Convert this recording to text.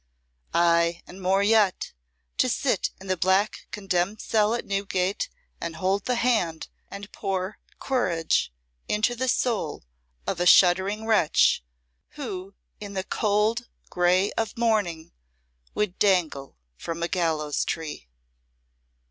Ay, and more yet, to sit in the black condemned cell at Newgate and hold the hand and pour courage into the soul of a shuddering wretch who in the cold grey of morning would dangle from a gallows tree.